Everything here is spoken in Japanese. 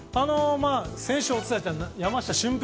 先週お伝えした山下舜平